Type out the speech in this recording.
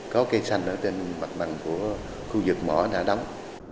có cây xanh ở trên mặt bằng của khu vực mỏ đã đóng